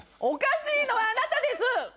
おかしいのはあなたです！